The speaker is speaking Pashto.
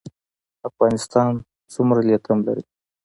افغانستان څومره لیتیم لري؟